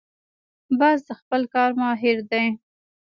باز د خپل کار ماهر دی